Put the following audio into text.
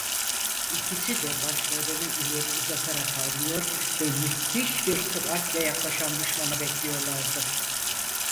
İkisi de başlarını ileri uzatarak havlıyor ve müthiş bir süratle yaklaşan düşmanı bekliyorlardı.